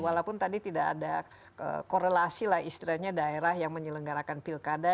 walaupun tadi tidak ada korelasi lah istilahnya daerah yang menyelenggarakan pilkada